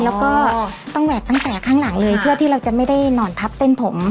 แล้วก็ต้องแหวกตั้งแต่ข้างหลังเลยเพื่อที่เราจะไม่ได้นอนทับเส้นผม